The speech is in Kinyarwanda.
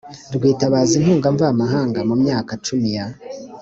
rwitabaza inkunga mvamahanga mu myaka cumi ya